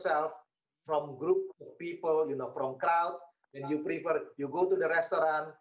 saya merasa seperti sebuah orang yang berada di dalam forum